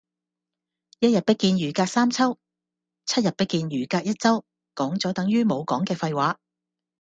一日不見如隔三秋，七日不見如隔一周，講咗等如冇講嘅廢話